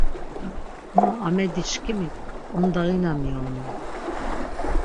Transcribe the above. Ma, Amedişǩimi ǩondağina mionun.